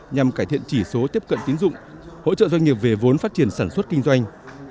nhằm cải thiện chỉ số tiếp cận tín dụng hỗ trợ doanh nghiệp về vốn phát triển sản xuất kinh doanh